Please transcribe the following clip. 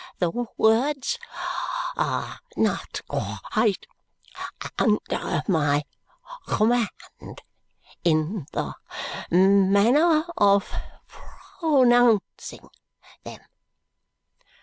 The words are not quite under my command in the manner of pronouncing them."